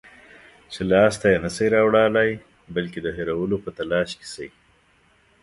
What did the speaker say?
چې لاس ته یې نشی راوړلای، بلکې د هېرولو په تلاش کې شئ